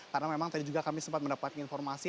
karena memang tadi juga kami sempat mendapat informasi